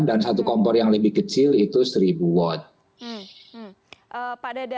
dan satu kompor yang lebih kecil itu seribu watt